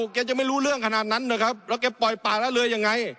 แกยังไม่รู้เรื่องขนาดนั้นนะครับแล้วแกปล่อยป่าแล้วเรือยังไง